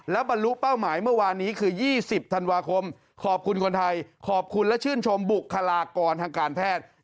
และบรรลุเป้าหมายเมื่อวานนี้คือ๒๐ธันวาคมขอบคุณคนไทยขอบคุณและชื่นชมบุคลากรทางการแพทย์